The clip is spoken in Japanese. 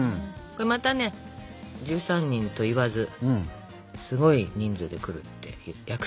またね１３人と言わずすごい人数で来るって約束して。